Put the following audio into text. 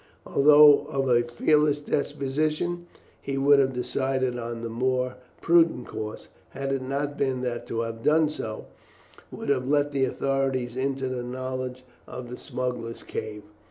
Although of a fearless disposition, he would have decided on the more prudent course had it not been that to have done so, would have let the authorities into the knowledge of the smugglers' cave.